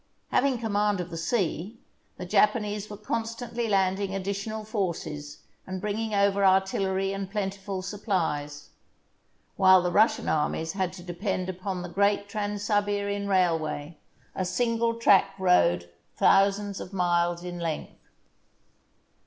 Having command of the sea, the Japanese were constantly landing additional forces and bringing over artillery and plentiful supplies, while the Russian armies had to depend upon the great Trans Siberian Railway, a single track road thousands of miles in length.